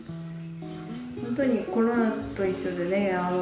ホントにコロナと一緒でね